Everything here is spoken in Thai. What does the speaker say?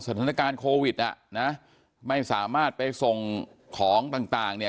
สถานการณ์โควิดอ่ะนะไม่สามารถไปส่งของต่างต่างเนี่ย